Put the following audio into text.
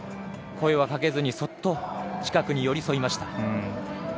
声はかけずにそっと近くに寄り添いました。